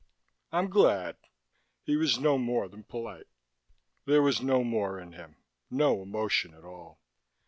"I'm glad." He was no more than polite. There was no more in him, no emotion at all.